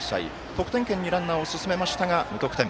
得点圏にランナーを進めましたが無得点。